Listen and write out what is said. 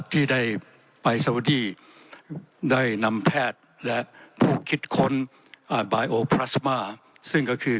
ที่ได้ไปสาวดีได้นำแพทย์และผู้คิดคนอ่าซึ่งก็คือ